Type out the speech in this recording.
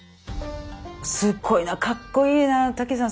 「すごいなかっこいいなたけしさん